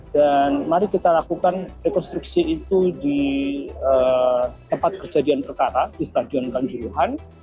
dan mari kita lakukan rekonstruksi itu di tempat kejadian perkara di stadion kanjuruhan